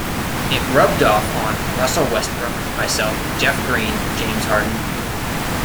It rubbed off on Russell Westbrook, myself, Jeff Green, James Harden.